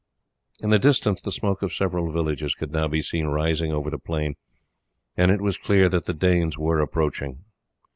In the distance the smoke of several villages could now be seen rising over the plain, and it was clear that the Danes were approaching.